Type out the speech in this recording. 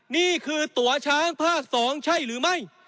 นี่คือตัวช้างภาค๒ใช่หรือไม่